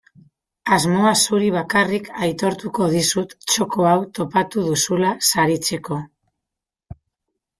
Asmoa zuri bakarrik aitortuko dizut txoko hau topatu duzula saritzeko.